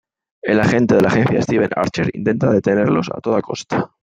El agente de la agencia Steven Archer intenta detenerlos a toda costa.